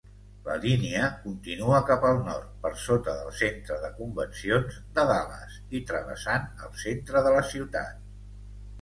La línia continua cap al nord per sota del centre de convencions de Dallas i travessant el centre de la ciutat.